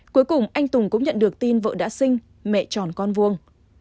cuối cùng anh tùng cũng nhận được tin vợ đã sinh mẹ tròn con vuông